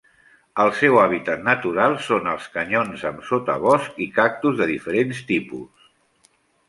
El seu hàbitat natural són els canyons amb sotabosc i cactus de diferents tipus.